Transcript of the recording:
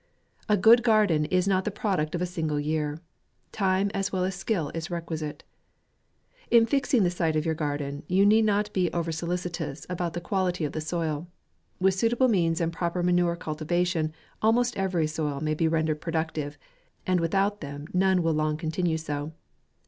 A good garden is not the product of a sin gle year. Time as well as skill is requisite. In fixing the site of your garden, you need not be over solicitous about the quality of the soil. With suitable means and proper manure cultivation, almost every soil may be rendered productive, and without them none will long continue so.